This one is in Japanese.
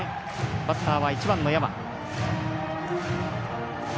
バッターは１番の山。